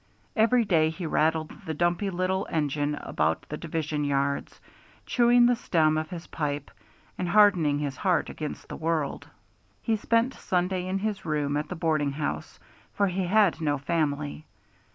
Every day he rattled the dumpy little engine about the division yards, chewing the stem of his pipe, and hardening his heart against the world. He spent Sunday in his room at the boarding house, for he had no family.